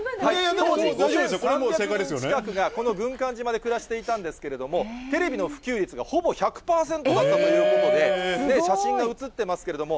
５３００人近くがこの軍艦島で暮らしていたんですけれども、テレビの普及率がほぼ１００％だったということで、写真がうつってますけれども。